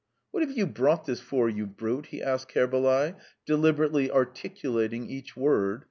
"What have you brought this for, you brute?" he asked Kerbalay, deliberately articulating each word.